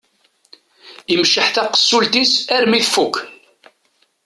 Imceḥ taqessult-is armi tfukk.